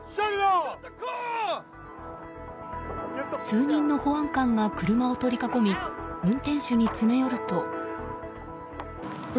数人の保安官が車を取り囲み運転手に詰め寄ると。